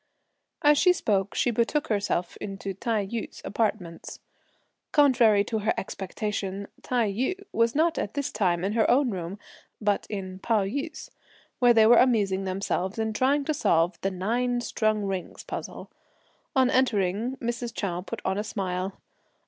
As she spoke, she betook herself into Tai yü's apartments. Contrary to her expectation Tai yü was not at this time in her own room, but in Pao yü's; where they were amusing themselves in trying to solve the "nine strung rings" puzzle. On entering Mrs. Chou put on a smile.